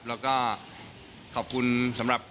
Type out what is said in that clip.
แล้วก็ขอบคุณสำหรับ